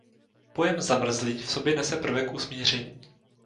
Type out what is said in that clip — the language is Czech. Pojem zamrzlý v sobě nese prvek usmíření.